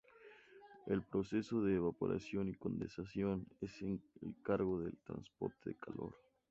El proceso de evaporación y condensación es el encargado del transporte de calor.